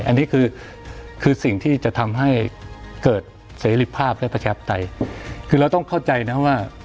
อันนี้คือคือสิ่งที่จะทำให้เกิดเสรีภาพและประชาปไตยคือเราต้องเข้าใจนะว่า